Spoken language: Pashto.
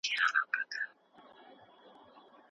خلک بیا هم د بیا رغونې هیله لري.